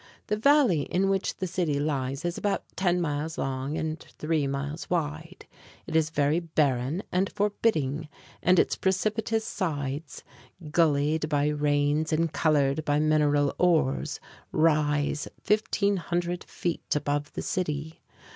The valley in which the city lies is about ten miles long and three miles wide. It is very barren and forbidding, and its precipitous sides, gullied by rains and colored by mineral ores, rise 1,500 feet above the city.